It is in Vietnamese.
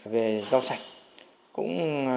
về rau sạch cũng giải quyết được luôn cho ngôi nhà đó